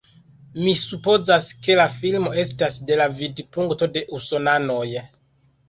Mi supozas, ke la filmo estas de la vidpunkto de usonanoj